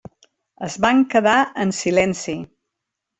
Es van quedar en silenci.